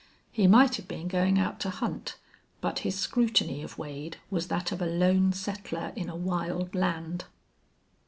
He might have been going out to hunt, but his scrutiny of Wade was that of a lone settler in a wild land.